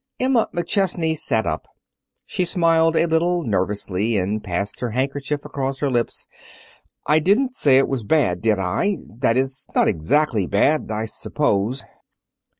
Emma McChesney sat up. She smiled a little nervously and passed her handkerchief across her lips. "I didn't say it was bad, did I? That is, not exactly bad, I suppose."